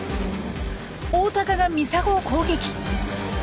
オオタカがミサゴを攻撃！